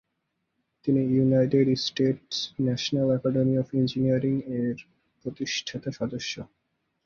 তিনি United States National Academy of Engineering এর প্রতিষ্ঠাতা সদস্য।